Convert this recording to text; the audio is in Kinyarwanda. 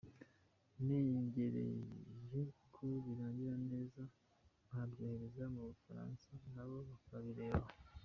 Ntegereje ko birangira neza nkabyohereza mu Bufaransa na bo bakabirebaho.